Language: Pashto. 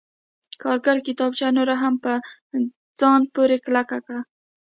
کارګر کتابچه نوره هم په ځان پورې کلکه کړه